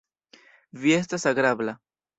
Vi estas agrabla.